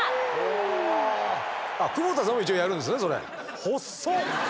久保田さんも一応やるんですねそれ。